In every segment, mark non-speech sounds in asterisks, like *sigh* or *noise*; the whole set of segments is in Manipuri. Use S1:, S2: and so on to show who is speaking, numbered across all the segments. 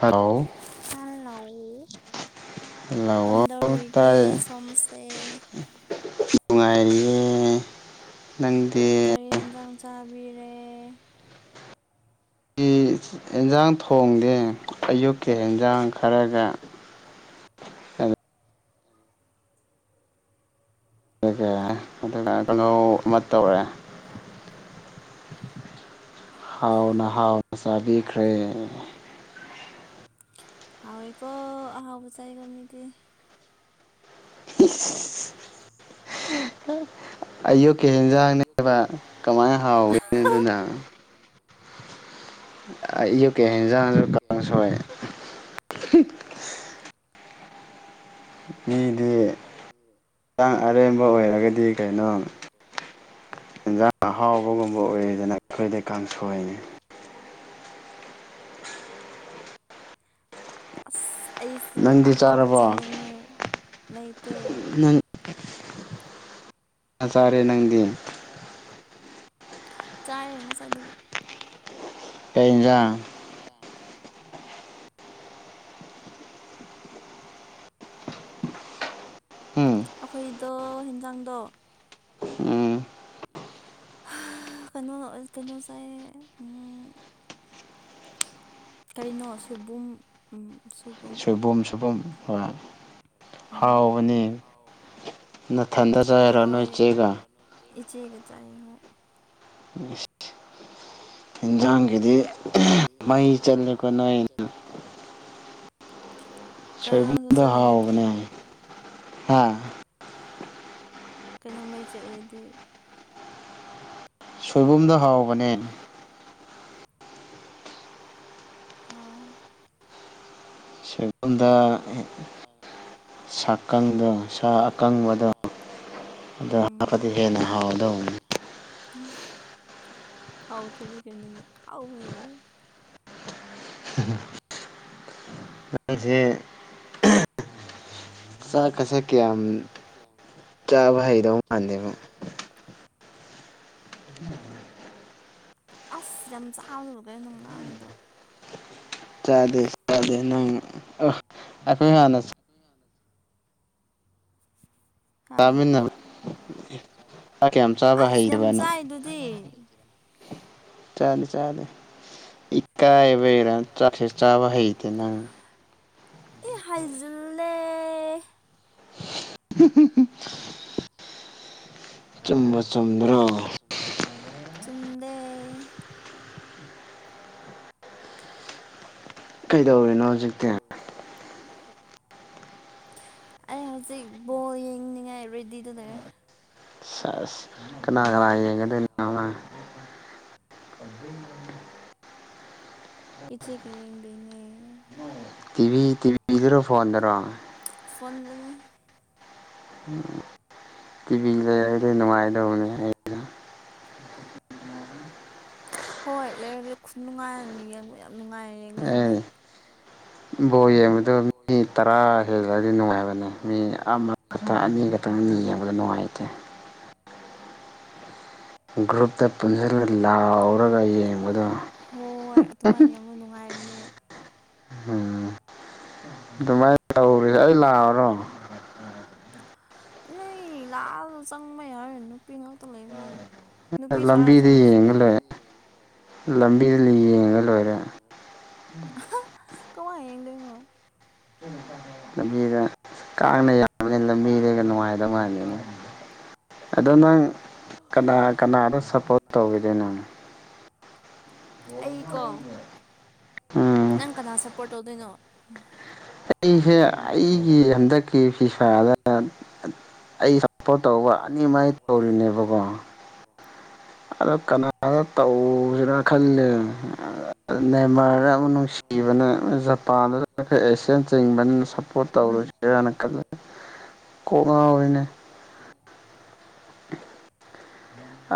S1: ꯍꯜꯂꯣ
S2: ꯍꯜꯂꯧ
S1: ꯍꯜꯂꯣ
S2: ꯀꯝꯗꯧꯔꯤꯒꯦ
S1: ꯇꯥꯏ
S2: ꯁꯣꯝꯁꯦ
S1: ꯅꯨꯡꯉꯥꯏꯔꯤꯌꯦ ꯅꯪꯗꯦ
S2: ꯆꯕꯤꯔꯦ
S1: ꯏ ꯍꯦꯟꯖꯥꯡ ꯊꯣꯡꯗꯦ ꯑꯌꯨꯛꯀꯤ ꯍꯦꯟꯖꯥꯡ ꯈꯔꯒ *unintelligible* ꯑꯃ ꯇꯧꯔꯦ ꯍꯥꯎꯅ ꯍꯥꯎꯅ ꯆꯥꯕꯤꯈ꯭ꯔꯦ
S2: ꯍꯥꯎꯋꯦꯀꯣ ꯑꯍꯥꯎꯕ ꯆꯥꯢꯀꯣ ꯃꯤꯗꯤ
S1: ꯏꯁ
S2: *unintelligible*
S1: ꯑꯌꯨꯛ ꯀꯦ ꯌꯦꯟꯖꯥꯡꯅꯦꯕ ꯀꯃꯥꯏꯅ ꯍꯥꯎꯒꯦ ꯑꯗꯨꯅ ꯑꯌꯨꯀꯤ ꯍꯦꯟꯖꯥꯡꯁꯨ ꯀꯥꯡꯁꯣꯏ ꯃꯤꯗꯤ ꯍꯦꯟꯖꯥꯡ ꯑꯔꯦꯝꯕ ꯑꯣꯏꯔꯒꯗꯤ ꯀꯩꯅꯣ ꯏꯟꯁꯥꯡ ꯑꯍꯥꯎꯕꯒꯨꯝꯕ ꯑꯣꯏꯔꯦꯗꯅ ꯑꯩꯈꯣꯏꯗꯤ ꯀꯥꯡꯁꯣꯏꯅꯤ
S2: ꯑꯁ ꯑꯩꯁꯨ
S1: ꯅꯪꯗꯤ
S2: ꯑꯍꯥꯎꯕ
S1: ꯆꯥꯔꯕꯣ
S2: ꯆꯥꯅꯤꯡꯉꯦ ꯂꯩꯇꯦ
S1: ꯅꯪ ꯆꯥꯔꯦ ꯅꯪꯗꯤ
S2: ꯆꯥꯔꯦ ꯉꯁꯥꯏꯗꯒꯤ
S1: ꯀꯩ ꯍꯤꯟꯖꯥꯡ ꯎꯝ
S2: ꯗꯣ ꯍꯤꯟꯖꯥꯡꯗꯣ
S1: ꯎꯝ
S2: ꯀꯩꯅꯣ ꯀꯩꯅꯣ ꯆꯥꯢꯌꯦ ꯑꯝ ꯀꯔꯤꯅꯣ ꯁꯣꯏꯕꯨꯝ
S1: ꯁꯣꯏꯕꯨꯝ ꯁꯣꯏꯕꯨꯝ ꯍꯣꯏ ꯍꯥꯎꯕꯅꯦ ꯅꯊꯟꯗ ꯆꯥꯏꯔꯣ ꯅꯣꯏ
S2: ꯍꯥꯎꯋꯦ
S1: ꯆꯦꯒ
S2: ꯏꯆꯦꯒ ꯆꯥꯏ ꯍꯣꯏ
S1: ꯍꯦꯟꯖꯥꯡꯒꯤꯗꯤ ꯃꯩ ꯆꯠꯂꯦꯀꯣ ꯅꯣꯏ
S2: ꯀꯩꯅꯣ ꯅꯪꯁꯨ
S1: ꯁꯣꯏꯕꯨꯝꯗꯣ
S2: ꯆꯠꯂꯤꯗꯨꯗꯤ
S1: ꯍꯥꯎꯕꯅꯦ ꯍꯥ
S2: ꯀꯩꯅꯣ ꯃꯩ ꯆꯠꯂꯦꯗꯤ
S1: ꯁꯣꯏꯕꯨꯝꯗꯣ ꯍꯥꯎꯕꯅꯦ
S2: ꯑꯥꯎ
S1: ꯁꯦꯒꯝꯗ ꯁꯥꯀꯪꯗꯣ ꯁꯥ ꯑꯀꯪꯕꯗꯣ ꯑꯗꯨ ꯍꯥꯞꯄꯗꯤ ꯍꯦꯟꯅ ꯍꯥꯎꯗ
S2: ꯍ ꯍꯥꯎꯇ꯭ꯔꯗꯤ ꯀꯩꯅꯣꯅꯦ ꯑꯍꯥꯎꯕꯅꯦ
S1: ꯅꯪꯁꯦ
S2: *inaudible*
S1: ꯆꯥꯛꯀꯁꯦ ꯀꯌꯥꯝ ꯆꯥꯕ ꯍꯩꯗꯧ ꯃꯥꯟꯗꯦꯕꯣ ꯎꯝ
S2: ꯑꯁ ꯌꯥꯝ ꯆꯥꯕ *unintelligible* ꯅꯪ ꯉꯥꯡꯉꯤꯗꯣ
S1: ꯆꯥꯗꯦ ꯆꯥꯗꯦ ꯅꯪ ꯑꯣ ꯑꯩꯈꯣꯏ ꯍꯥꯟꯅ
S2: ꯍꯥ
S1: ꯆꯥꯃꯤꯟꯅꯕ ꯆꯥꯛ ꯀꯌꯥꯝ ꯆꯥꯕ
S2: ꯑꯁ ꯌꯥꯝ
S1: ꯍꯩꯇꯕ ꯅꯪ
S2: ꯆꯥꯏꯗꯨꯗꯤ
S1: ꯆꯥꯗꯦ ꯆꯥꯗꯦ ꯏꯀꯥꯏꯕꯩꯔꯥ ꯆꯥꯛꯁꯦ ꯆꯥꯕ ꯍꯩꯇꯦ ꯅꯪ
S2: ꯑꯦ ꯍꯥꯏꯖꯤꯜꯂꯦ
S1: *unintelligible* ꯆꯨꯝꯕꯁ
S2: ꯆꯨꯝꯗꯦ
S1: ꯀꯩꯗꯧꯔꯤꯅꯣ ꯍꯧꯖꯤꯛꯇꯤ
S2: ꯑꯩ ꯍꯧꯖꯤꯛ ꯕꯣꯜ ꯌꯦꯡꯅꯤꯡꯉꯥꯏ ꯔꯦꯗꯤꯗ ꯂꯩꯔꯦ
S1: ꯁꯦꯁ ꯀꯅꯥ ꯀꯅꯥ ꯌꯦꯡꯒꯗꯣꯢꯅꯣ ꯅꯣꯢ *inaudible*
S2: ꯏꯆꯦ ꯀ ꯌꯦꯡꯗꯣꯢꯅꯦ
S1: ꯇꯤꯕꯤ ꯇꯤꯕꯤꯗꯔꯣ ꯐꯣꯟꯗꯔꯣ
S2: *unintelligible*
S1: ꯎ ꯇꯤꯚꯤ ꯂꯩꯔꯗꯤ ꯅꯨꯡꯉꯥꯏꯗꯧꯕꯅꯦ ꯑꯩꯅ
S2: ꯍꯣꯏ ꯂꯩꯔ ꯈꯨꯅꯨꯡꯉꯥꯏꯅꯤ ꯌꯦꯡ ꯌꯥꯝ ꯅꯨꯡꯉꯥꯏꯅ ꯌꯦꯡꯒꯗꯕꯅꯦ
S1: ꯑꯦ ꯕꯣꯜ ꯌꯦꯡꯕꯗ ꯃꯤ ꯇꯔꯥ ꯍꯦꯜꯂꯗꯤ ꯅꯨꯡꯉꯥꯏꯒꯗꯕꯅꯦ ꯃꯤ ꯑꯃ ꯈꯛꯇꯪ ꯑꯅꯤ ꯈꯛꯇꯪ ꯃꯤ ꯌꯦꯡꯕꯗꯣ ꯅꯨꯡꯉꯥꯏꯇꯦ ꯒ꯭ꯔꯨꯞꯇ ꯄꯨꯟꯁꯤꯜꯂꯒ ꯂꯥꯎꯔꯒ ꯌꯦꯡꯕꯗꯣ
S2: ꯅꯦ
S1: ꯎꯝ ꯑꯗꯨꯃꯥꯏꯅ ꯇꯧꯔꯁꯦ ꯑꯩ ꯂꯥꯛꯑꯣꯔꯣ
S2: ꯅꯣꯏ ꯂꯥꯛꯑꯒ ꯆꯪꯕ ꯍꯥꯏꯔꯣꯏ ꯅꯨꯄꯤ ꯉꯥꯛꯇ ꯂꯩꯕꯅꯦ ꯅꯨꯄꯤ ꯁꯥꯔ
S1: ꯂꯝꯕꯤꯗ
S2: ꯆꯪꯉꯦꯁꯨ
S1: ꯌꯦꯡꯉ
S2: ꯌꯥꯏꯌꯦ
S1: ꯂꯣꯏꯔꯦ ꯂꯝꯕꯤꯗ ꯌꯦꯡꯉꯒ ꯂꯣꯏꯔꯦ
S2: ꯀꯃꯥꯏ ꯌꯦꯡꯗꯣꯏꯅꯣ
S1: ꯂꯝꯕꯤꯗ ꯀꯥꯡꯅ ꯌꯥꯕꯅꯤꯅ ꯂꯝꯕꯤꯗꯩꯒ ꯅꯨꯡꯉꯥꯏꯗꯕ ꯃꯥꯂꯦꯅꯦ ꯑꯗꯣ ꯅꯪ ꯀꯅꯥ ꯀꯅꯥꯗꯣ ꯁꯞꯄꯣꯔꯠ ꯇꯧꯋꯤꯗꯣꯏ ꯅꯪ
S2: ꯑꯩꯀꯣ
S1: ꯎꯝ
S2: ꯅꯪ ꯀꯅꯥ ꯁꯞꯄꯣꯔꯠ ꯇꯧꯗꯣꯏꯅꯣ
S1: ꯑꯩꯁꯦ ꯑꯩꯒꯤ ꯍꯟꯗꯛꯀꯤ ꯐꯤꯐꯥꯗ ꯑꯩ ꯁꯞꯄꯣꯔꯠ ꯇꯧꯕ ꯑꯅꯤꯃꯛ ꯑꯩ ꯇꯧꯔꯤꯅꯦꯕꯀꯣ ꯑꯗꯣ ꯀꯅꯥꯗ ꯇꯧꯁꯤꯔ ꯈꯜꯂꯦ ꯑꯗꯨꯅꯦ ꯃꯥꯔꯛ ꯑꯃꯨꯛ ꯅꯨꯡꯁꯤꯕꯅ ꯖꯄꯥꯟꯗꯈꯁꯤ ꯆꯦꯟ ꯆꯤꯡꯕꯅꯤꯅ ꯁꯞꯄꯣꯔꯠ ꯇꯧꯔꯨꯁꯤꯔꯅ ꯀꯣꯛ ꯉꯥꯎꯔꯤꯅꯦ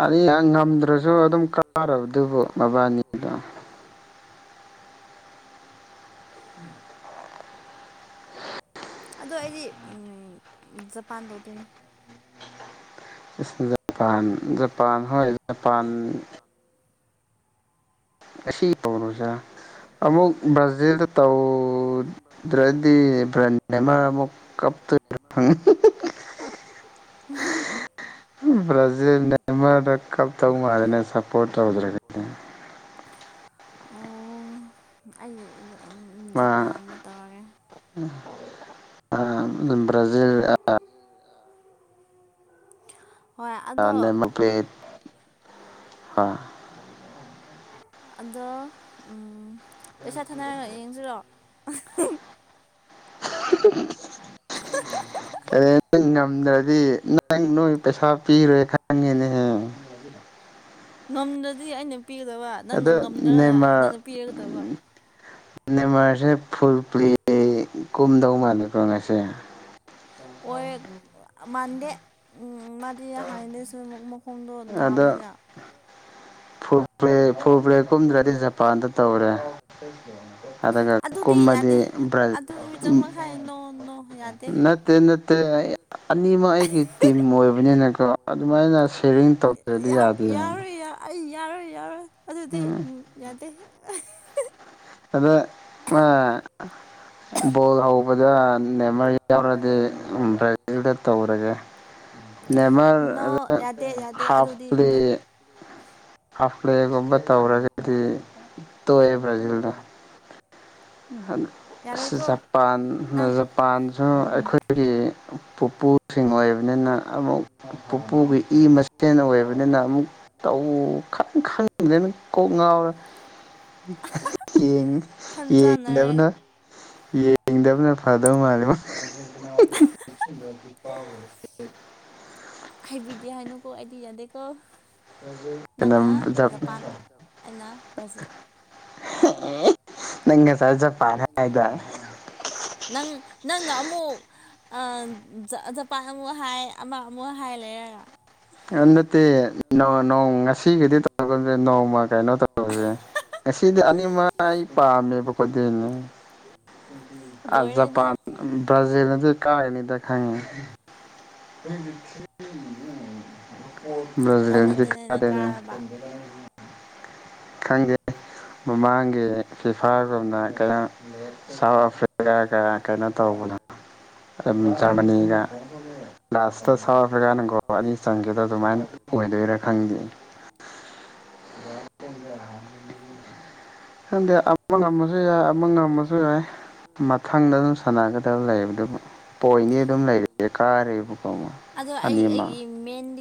S1: ꯑꯥ ꯑꯅꯤ ꯉꯝꯗ꯭ꯔꯁꯨ ꯑꯗꯨꯝ ꯀꯥꯔꯕ ꯑꯗꯨꯕꯨ ꯃꯕꯥꯅꯤꯗꯣ
S2: ꯑꯗꯣ ꯑꯩꯗꯤ ꯖꯄꯥꯟ ꯇꯧꯗꯣꯏꯅꯦ
S1: ꯖꯄꯥꯟ ꯖꯄꯥꯟ ꯍꯣꯏ ꯖꯄꯥꯟ ꯉꯁꯤ ꯇꯧꯔꯁꯤꯔ ꯑꯃꯃꯨꯛ ꯕ꯭ꯔꯥꯖꯤꯜꯗ ꯇꯧ ꯗ꯭ꯔꯗꯤ *unintelligible* ꯃꯥ ꯑꯃꯨꯛ ꯀꯥꯞꯇꯣꯏꯅꯦ ꯈꯪꯉꯦ ꯕ꯭ꯔꯥꯖꯤꯜ ꯅꯦꯃꯥꯔꯗꯣ ꯀꯞꯇꯣꯏ ꯃꯥꯂꯤꯅꯦ ꯁꯄꯣꯔꯠ ꯇꯧꯗ꯭ꯔꯗꯤ
S2: ꯑꯣ ꯑꯩꯅ
S1: ꯃꯥ
S2: ꯖꯄꯥꯟꯗ ꯇꯧꯔꯒꯦ
S1: ꯑꯥ ꯕ꯭ꯔꯥꯖꯤꯜ ꯑꯥ
S2: ꯍꯣꯏ ꯑꯗꯣ
S1: ꯅꯦꯝꯃꯥ ꯄꯦꯠ
S2: ꯑꯗꯣ ꯎꯝ ꯄꯩꯁꯥ ꯊꯥꯅꯔꯅ ꯌꯦꯡꯁꯤꯔꯣ *unintelligible*
S1: *unintelligible* *unintelligible* ꯅꯪ ꯉꯝꯗ꯭ꯔꯗꯤ ꯅꯪ ꯅꯣꯏ ꯄꯩꯁꯥ ꯄꯤꯔꯣꯏ ꯈꯪꯉꯦꯅꯦꯍꯦ *unintelligible*
S2: ꯉꯝꯗ꯭ꯔꯗꯤ ꯑꯩꯅ ꯄꯤꯒꯗꯕ ꯅꯪꯅ
S1: ꯑꯗꯣ
S2: ꯉꯝꯗ꯭ꯔꯒꯅ ꯅꯪꯅ ꯄꯤꯔꯒꯗꯕ
S1: ꯃꯅꯦꯃꯔꯁꯦ ꯐꯨꯜ ꯄ꯭ꯂꯦ ꯀꯨꯝꯗꯧ ꯃꯥꯜꯂꯦꯀꯣ ꯉꯁꯤ
S2: ꯑꯣꯏ ꯃꯥꯟꯗꯦ ꯎꯝ ꯃꯥꯗꯤ ꯍꯥꯟꯅꯗꯩꯁꯨ ꯑꯃꯨꯛ ꯃꯈꯣꯡꯗꯣ
S1: ꯑꯗꯣ
S2: ꯅꯥꯕꯅꯤꯅ
S1: ꯐꯨꯜ ꯄ꯭ꯂꯦ ꯐꯨꯜ ꯄ꯭ꯂꯦ ꯀꯨꯝꯗ꯭ꯔꯗꯤ ꯖꯄꯥꯟꯗ ꯇꯧꯔꯦ ꯑꯗꯨꯒ
S2: ꯑꯗꯨꯗꯤ ꯌꯥꯗꯦ
S1: ꯀꯨꯝꯃꯗꯤ
S2: ꯑꯗꯨ ꯃꯤꯆꯪ ꯃꯤꯈꯥꯏ ꯅꯣ ꯅꯣ ꯌꯥꯗꯦ
S1: ꯅꯠꯇꯦ ꯅꯠꯇꯦ ꯑꯅꯤꯃꯛ ꯑꯩꯒꯤ ꯇꯤꯝ ꯑꯣꯏꯕꯅꯤꯅꯀꯣ ꯑꯗꯨꯃꯥꯏꯅ ꯁꯤꯌꯔꯤꯡ ꯇꯧꯗꯗꯤ ꯌꯥꯗꯦ
S2: ꯌꯥꯔꯣꯏ ꯑꯩ ꯌꯥꯔꯣꯏ ꯌꯥꯔꯣꯏ ꯑꯗꯨꯗꯤ
S1: ꯎꯝ
S2: ꯌꯥꯗꯦ
S1: ꯑꯗ ꯃꯥ ꯕꯣꯜ ꯍꯧꯕꯗ ꯅꯦꯃꯔꯤ ꯌꯥꯎꯔꯗꯤ ꯕ꯭ꯔꯥꯖꯤꯜꯗ ꯇꯧꯔꯒꯦ
S2: *inaudible* ꯅꯣ
S1: ꯅꯦꯃꯔ
S2: ꯌꯥꯗꯦ
S1: *unintelligible*
S2: ꯌꯥꯗꯦ
S1: ꯍꯥꯐ
S2: ꯑꯗꯨꯗꯤ
S1: ꯄ꯭ꯂꯦ ꯍꯥ ꯄ꯭ꯂꯦꯒꯨꯝꯕ ꯇꯧꯔꯒꯗꯤ ꯇꯣꯛꯑꯦ ꯕ꯭ꯔꯥꯖꯤꯜꯅ ꯑꯁ
S2: ꯌꯥꯔꯣꯏꯀꯣ
S1: ꯖꯄꯥꯟꯅ
S2: ꯅꯪ
S1: ꯖꯄꯥꯟꯁꯨ ꯑꯩꯈꯣꯏꯒꯤ ꯄꯨꯄꯨꯁꯤꯡ ꯑꯣꯏꯕꯅꯤꯅ ꯑꯃꯨꯛ ꯄꯨꯄꯨꯒꯤ ꯏ ꯃꯁꯦꯟ ꯑꯣꯏ ꯂꯣꯢꯅꯅ ꯑꯃꯨꯛ ꯇꯧ ꯈꯪꯗ꯭ꯔꯦꯅꯦ ꯀꯣꯛ ꯉꯥꯎꯔ
S2: *inaudible*
S1: ꯌꯦꯡ
S2: ꯈꯟ ꯆꯥꯟꯅꯔꯦ
S1: ꯌꯦꯡꯗꯕꯅ ꯌꯦꯡꯗꯕꯅ ꯐꯗꯕ ꯃꯥꯜꯂꯤ ꯃꯥ *unintelligible* *unintelligible*
S2: ꯍꯥꯏꯕꯤꯗꯦ ꯍꯥꯏꯅꯨꯀꯣ ꯑꯩꯗꯤ ꯌꯥꯗꯦꯀꯣ ꯅꯪꯅ ꯖꯄꯥꯟ ꯑꯩꯅ ꯕ꯭ꯔꯥꯖꯤꯜ
S1: *unintelligible* ꯅꯪ ꯉꯁꯥꯏ ꯆꯠ
S2: ꯅꯪ ꯅꯪꯅ ꯑꯃꯨꯛ ꯑꯃꯨꯛ ꯑ ꯖꯄꯥꯟ ꯑꯃꯨꯛ ꯍꯥꯏ ꯑꯃ ꯑꯃꯨꯛ ꯍꯥꯏ ꯂꯩꯔꯒ
S1: ꯑꯗꯨ ꯅꯠꯇꯦ ꯅꯣ ꯅꯣ ꯉꯁꯤꯒꯤꯗꯤ ꯇꯧꯔꯒꯨꯝꯁꯦ ꯅꯣꯡꯃ ꯀꯩꯅꯣ ꯇꯧꯔꯁꯦ ꯉꯁꯤꯗꯤ ꯑꯅꯤꯃꯛ ꯑꯩ ꯄꯥꯝꯃꯦꯕ ꯍꯣꯗꯦꯟꯅꯦ
S2: *inaudible*
S1: ꯑ
S2: ꯂꯣꯏꯔꯦꯗ
S1: ꯖꯄꯥꯟ ꯕ꯭ꯔꯥꯖꯤꯜ ꯑꯗꯨ ꯀꯥꯥꯏꯒꯅꯤꯗ ꯈꯪꯉꯦ *unintelligible*
S2: ꯑꯣꯟꯅ ꯇꯩꯅꯅ ꯀꯥꯔꯕ
S1: *unintelligible* ꯈꯪꯗꯦ ꯃꯃꯥꯡꯒꯤ ꯐꯤꯐꯥꯒꯨꯝꯅ ꯀꯌꯥ ꯁꯥꯎꯠ ꯑꯐ꯭ꯔꯤ ꯒ ꯀꯩꯅꯣ ꯇꯧꯕꯅ ꯑꯗꯨꯝ ꯖꯔꯃꯅꯤꯒ ꯂꯥꯁꯇ ꯁꯥꯎꯠ ꯑꯐ꯭ꯔꯤꯀꯥꯅ ꯒꯣꯜ ꯑꯅꯤ ꯆꯟꯒꯤꯕꯗꯣ ꯑꯗꯨꯃꯥꯏꯅ ꯑꯣꯏꯗꯣꯏꯔ ꯈꯪꯗꯦ *inaudible* ꯈꯪꯗꯦ ꯑ ꯑꯃ ꯉꯝꯃꯁꯨ ꯌꯥꯏ ꯑꯃ ꯉꯝꯃꯁꯨ ꯌꯥꯏ ꯃꯊꯪꯗ ꯑꯗꯨꯝ ꯁꯥꯟꯅꯒꯗꯕ ꯂꯩꯕꯗꯨꯕꯨ ꯄꯣ ꯍꯣꯏꯅꯤ ꯑꯗꯨꯝ ꯂꯩꯔꯦ ꯀꯥꯔꯦꯕꯀꯣ ꯃꯨꯛ ꯑꯅꯤꯃ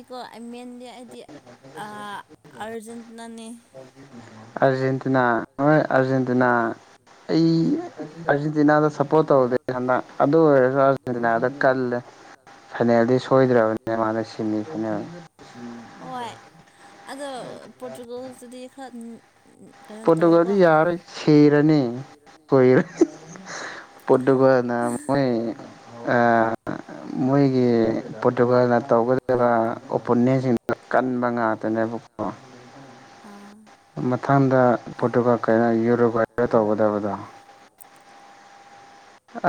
S2: ꯀꯣ ꯃꯦꯟꯗꯤ ꯑꯩꯗꯤ ꯑ ꯑꯥꯔꯖꯦꯟꯇꯤꯅꯥꯅꯦ
S1: ꯑꯔꯖꯦꯟꯇꯤꯅꯥ ꯍꯣꯏ ꯑꯔꯖꯦꯟꯇꯤꯅꯥ ꯑꯩ ꯑꯔꯖꯦꯟꯇꯤꯅꯥꯗ ꯁꯞ ꯄꯣꯠ ꯇꯧꯗꯦ ꯍꯟꯗꯛ ꯑꯗꯨ ꯑꯣꯏꯔꯁꯨ ꯑꯥꯔꯖꯦꯟꯇꯤꯅꯥꯗ ꯀꯜꯂꯦ ꯐꯥꯏꯅꯦꯜꯗꯤ ꯁꯣꯏꯗ꯭ꯔꯕꯅꯦ ꯃꯥ ꯑ ꯁꯤꯟꯃꯤ ꯐꯅ꯭ꯌꯥꯝ
S2: ꯍꯣꯏ ꯑꯗꯣ ꯄꯣꯇꯨꯒꯜꯁꯇꯗꯤ ꯈ꯭ꯔ
S1: ꯄꯣꯔꯇꯨꯒꯜꯗꯤ ꯌꯔꯔꯣꯏ ꯁꯤꯔꯅꯤ ꯀꯨꯏꯔꯦ *unintelligible* ꯄꯣꯠ ꯄꯔꯣꯇꯨꯒꯜꯅ ꯃꯣꯏ ꯑ ꯃꯣꯏꯒꯤ ꯄꯣꯔꯇꯨꯒꯜꯅ ꯇꯧꯒꯗꯕ ꯑꯣꯄꯣꯅꯦꯟꯁꯤꯡꯗꯨ ꯀꯟꯕ ꯉꯥꯛꯇꯅꯦꯕꯀꯣ
S2: ꯑꯥ
S1: ꯃꯊꯪꯗ ꯄꯣꯇꯨꯒꯜ ꯀꯌꯥ ꯌꯨꯔꯣꯒꯔ ꯇꯧꯒꯗꯕꯗꯣ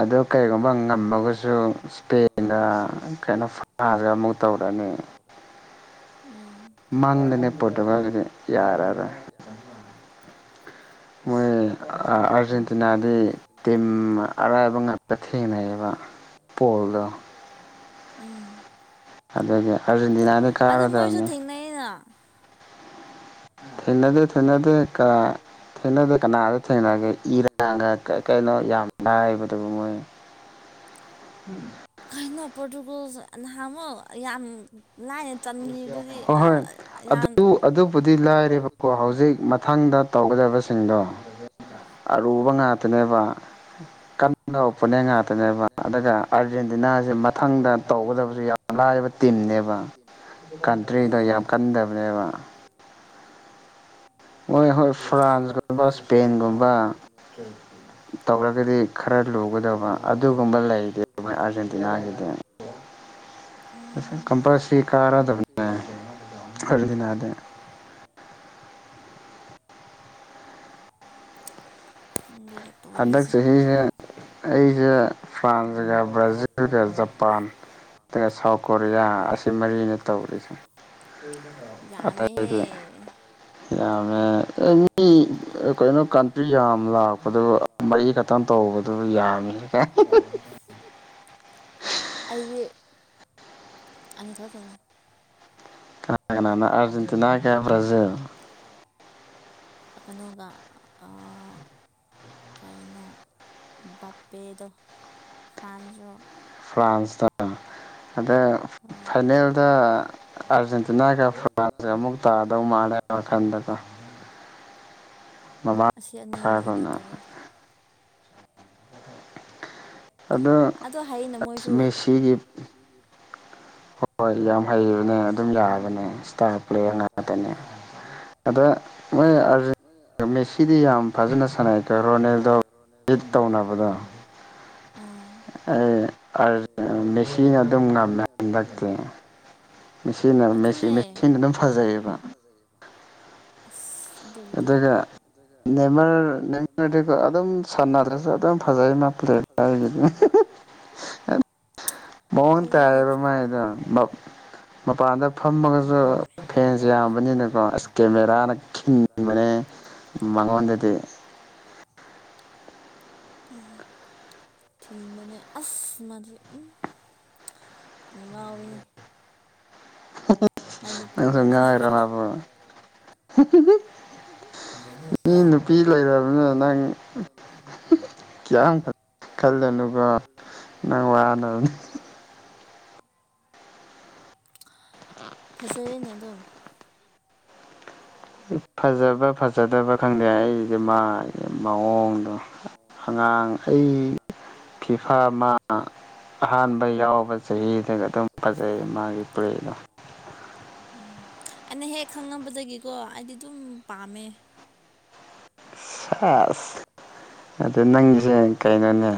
S1: ꯑꯗꯨ ꯀꯔꯤꯒꯨꯝꯕ ꯉꯝꯃꯒꯁꯨ ꯁ꯭ꯄꯦꯟꯅ ꯀꯩꯅꯣ ꯐꯥꯔꯥ ꯃꯨꯛ ꯇꯧꯔꯅꯤ
S2: *inaudible* ꯎꯝ
S1: ꯃꯥꯡꯗꯅꯦ ꯄꯣꯠꯇꯨꯒꯜꯗꯤꯗꯤ ꯌꯥꯔꯔꯣꯏ ꯃꯣꯏ ꯑ ꯑꯥꯔꯖꯦꯟꯇꯤꯅꯥꯗꯤ ꯇꯤꯝ ꯑꯔꯥꯏꯕ ꯉꯥꯛꯇ ꯊꯦꯡꯅꯩꯌꯦꯕ ꯄꯣꯜꯗ
S2: ꯎꯝ
S1: ꯑꯗꯅꯤ ꯑꯥꯔꯖꯦꯟꯇꯤꯅꯥꯅ
S2: ꯑꯗꯣ ꯃꯣꯏꯁꯨ
S1: ꯀꯥꯔꯗꯝꯅꯦ
S2: ꯊꯦꯡꯅꯩꯩꯅ
S1: ꯊꯦꯡꯅꯗꯦ ꯊꯦꯡꯅꯗꯦ ꯀ ꯊꯦꯡꯅꯗꯦ ꯀꯅꯥꯗ ꯊꯦꯡꯅꯒꯦ ꯏꯔꯥꯟꯀꯒ ꯀ ꯀꯩꯅꯣ ꯌꯥꯝ ꯍꯥꯏ ꯑꯗꯨꯕꯨ ꯃꯣꯏ
S2: *inaudible*
S1: ꯎꯝ
S2: ꯀꯩꯅꯣ ꯄꯣꯔꯇꯨꯒꯣꯜꯁ ꯅꯍꯥꯟꯃꯨꯛ ꯌꯥꯝ ꯂꯥꯏꯅ ꯆꯟꯈꯤꯕꯗꯨꯗꯤ
S1: ꯍꯣꯏ
S2: ꯑꯥ
S1: ꯍꯣꯏ
S2: ꯌꯥꯝ
S1: ꯑꯗꯨ ꯑꯗꯨꯕꯨꯗꯤ ꯂꯥꯏꯔꯦꯕꯀꯣ ꯍꯧꯖꯤꯛ ꯃꯊꯪꯗ ꯇꯧꯒ ꯗꯕꯁꯤꯡꯗꯣ ꯑꯔꯨꯕ ꯉꯥꯛꯇꯅꯦꯕ ꯀꯟꯅ ꯎꯄꯦꯅꯤꯡꯉꯥꯛ ꯗꯨꯅꯦꯕ ꯑꯗꯨꯒ ꯑꯥꯔꯖꯦꯟꯇꯤꯅꯥꯁꯦ ꯃꯊꯪꯗ ꯇꯧꯒꯗꯕꯁꯦ ꯌꯥꯝꯅ ꯂꯥꯏꯕ ꯇꯤꯝꯅꯦꯕ ꯀꯟꯇ꯭ꯔꯤꯗ
S2: ꯎꯝ
S1: ꯌꯥꯝ ꯀꯟꯗꯕꯅꯦꯕ ꯍꯣꯏ ꯍꯣꯏ ꯐ꯭ꯔꯥꯟꯁꯀꯨꯝꯕ ꯏꯁꯄꯦꯟꯒꯨꯝꯕ ꯇꯧꯔꯒꯗꯤ ꯈꯔ ꯂꯨꯒꯗꯕ ꯑꯗꯨꯒꯨꯝꯕ ꯂꯩꯗꯦ ꯑꯩꯈꯣꯏ ꯑꯥꯔꯖꯦꯟꯇꯤꯅꯥꯒꯤꯗꯤ
S2: *inaudible*
S1: ꯀꯝꯄꯜꯁꯔꯤ ꯀꯥꯔꯗꯕꯅꯦ ꯑꯥꯔꯖꯦꯟꯇꯤꯅꯗꯤ
S2: *inaudible* ꯈꯪꯗꯦꯗ
S1: ꯍꯟꯗꯛ
S2: ꯇꯧꯔꯤꯁꯦ
S1: ꯆꯍꯤꯁꯦ ꯑꯩꯁꯦ ꯐ꯭ꯔꯥꯟꯁꯒ ꯕ꯭ꯔꯥꯖꯤꯜꯒ ꯖꯄꯥꯟ ꯑꯗꯨꯒ ꯁꯥꯎꯠ ꯀꯣꯔꯤꯌꯥ ꯑꯁꯤ ꯃꯔꯤꯅꯦ ꯇꯧꯔꯤꯁꯦ
S2: ꯌꯥꯝꯃꯦꯍꯦ
S1: ꯑꯇꯩꯗꯤ ꯌꯥꯝꯃꯦ ꯑꯦꯅꯤ ꯀꯩꯅꯣ ꯀꯟꯇ꯭ꯔꯤ ꯌꯥꯝ ꯂꯥꯛꯄꯗꯨ ꯃꯔꯤ ꯈꯛꯇꯪ ꯇꯧꯕꯗꯨ ꯌꯥꯝꯃꯤ
S2: ꯑꯩꯒꯤ ꯑꯅꯤꯈꯛꯇꯅꯤ
S1: ꯀꯅꯥ ꯀꯅꯥꯅꯣ ꯑꯔꯖꯦꯟꯇꯤꯅꯥ ꯀꯌꯥ ꯕ꯭ꯔꯥꯖꯤꯜ
S2: ꯀꯩꯅꯣꯒ ꯑꯥ ꯀꯩꯅꯣ ꯕꯞꯄꯦꯗꯣ ꯐ꯭ꯔꯥꯟꯁꯂꯣ
S1: *unintelligible* ꯍꯟꯗꯛ
S2: ꯍꯣꯏ
S1: ꯐꯥꯏꯅꯦꯜꯗ ꯑꯥꯔꯖꯦꯟꯇꯤꯅꯥꯒ ꯐ꯭ꯔꯥꯟꯁꯀ ꯑꯃꯨꯛ ꯇꯥꯗꯧ ꯃꯥꯂꯦ *unintelligible*
S2: ꯑꯁꯤ ꯑꯅꯤꯅꯦ ꯑꯩꯅ ꯇꯧꯔꯤꯁ
S1: ꯑꯗꯣ
S2: ꯍꯩꯅ
S1: ꯑꯁ
S2: ꯃꯣꯏꯁꯨ
S1: ꯃꯦꯁꯤꯒꯤ ꯍꯣꯏ ꯌꯥꯝ ꯍꯩꯕꯅꯦ ꯑꯗꯨꯝ ꯌꯥꯕꯅꯦ ꯏꯁꯇꯥꯔ ꯄ꯭ꯂꯦꯌꯔ ꯉꯥꯛꯇꯅꯦ ꯑꯗ ꯃꯣꯏ ꯑꯥꯔꯖꯦꯟ ꯃꯦꯁꯤꯗꯤ ꯌꯥꯝ ꯐꯖꯅ ꯁꯥꯟꯅꯩꯀꯣ ꯔꯣꯅꯦꯜꯗꯣ ꯇꯧꯅꯕꯗꯣ
S2: ꯑꯥ
S1: ꯃꯦꯆꯤꯟ ꯑꯗꯨꯝ ꯉꯝꯃꯦ ꯍꯟꯗꯛꯇꯤ ꯃꯦꯁꯤꯅ ꯃꯦꯁꯤ
S2: ꯑꯗꯨꯅꯦ
S1: ꯃꯦꯁꯤꯅ ꯑꯗꯨꯝ ꯐꯖꯩꯌꯦꯕ
S2: ꯑꯁ ꯑꯗꯨꯕꯨꯗꯤ
S1: ꯑꯗꯨꯒ ꯅꯦꯃꯔ ꯅꯃꯔꯗꯤꯒꯣ ꯑꯗꯨꯝ ꯁꯥꯟꯅꯗ꯭ꯔꯁꯨ ꯑꯗꯨꯝ ꯐꯖꯩ ꯃꯥꯄ꯭ꯂꯦꯒꯤꯅꯤ *unintelligible*
S2: ꯐꯖꯩ ꯑꯗꯨꯝ
S1: ꯃꯥꯏꯗꯣ ꯃꯄꯥꯟꯗ ꯐꯝꯃꯒꯁꯨ ꯐꯦꯟꯁ ꯌꯥꯝꯕꯅꯤꯅꯀꯣ ꯑꯁ ꯀꯦꯃꯦꯔꯥꯅ ꯈꯤꯟꯕꯅꯦ ꯃꯉꯣꯟꯗꯗꯤ
S2: ꯎꯝ ꯊꯤꯟꯕꯅꯦ ꯑꯁ ꯃꯗꯨ ꯎꯝ ꯑꯉꯥꯎꯋꯤꯍꯦ
S1: *unintelligible*
S2: ꯂꯩꯔꯁꯨ
S1: ꯉꯥꯎꯔꯤꯕ ꯃꯤ ꯅꯨꯄꯤ ꯂꯩꯔꯕꯅꯤ ꯅꯪ ꯀꯌꯥꯝ ꯈꯜ ꯈꯜꯂꯅꯨꯕ ꯅꯪ ꯋꯥꯅꯕꯅꯤ
S2: ꯐꯖꯩꯅ ꯑꯗꯨꯝ
S1: ꯐꯖꯕ ꯐꯖꯗꯕ ꯈꯪꯗꯦ ꯑꯩꯗꯤ ꯃꯥꯒꯤ ꯃꯑꯣꯡꯗꯣ ꯑꯉꯥꯡ ꯑꯩ ꯐꯤꯐꯥ ꯑꯃ ꯑꯍꯥꯟꯕ ꯌꯥꯎꯕ ꯆꯍꯤ ꯁꯤꯅ ꯑꯗꯨꯝ ꯐꯖꯩ ꯃꯥꯒꯤ ꯄ꯭ꯔꯦꯗꯣ
S2: ꯎꯝ ꯑꯩꯅ ꯍꯦꯛ ꯈꯪꯉꯝꯕꯗꯒꯤꯀꯣ ꯑꯩꯗꯤ ꯑꯗꯨꯝ ꯄꯥꯝꯃꯦ
S1: ꯁꯥꯁ ꯑꯗꯨ ꯅꯪꯁꯦ ꯀꯩꯅꯣꯅꯦ